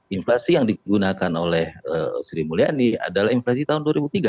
inflasi yang digunakan oleh sri mulyani adalah inflasi tahun dua ribu tiga